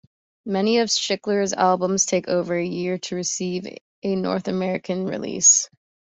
Many of Schiller's albums take over a year to receive a North American release.